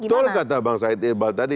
betul kata bang said iqbal tadi